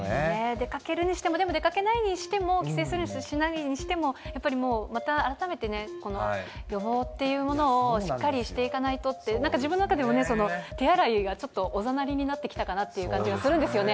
出かけるにしても、でも出かけないにしても、帰省するにしても、しないにしても、やっぱりもう、また改めてね、予防っていうものをしっかりしていかないとって、なんか自分の中でもね、手洗いがちょっとおざなりになってきたかなっていう感じがするんですよね。